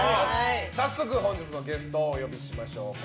早速本日のゲストをお呼びしましょう。